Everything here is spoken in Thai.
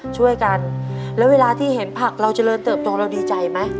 ช่วยกันแล้วเวลาที่เห็นผักเราเจริญเติบโตเราดีใจไหม